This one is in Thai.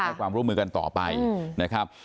ให้ความร่วมมือกันต่อไปนะครับ